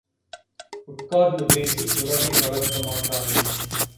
உட்கார்ந்து பேசி உறவை வளர்க்க மாட்டார்கள்!